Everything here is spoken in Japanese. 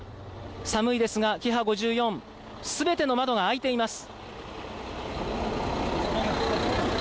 寒いですがキハ５４全ての窓が開いています。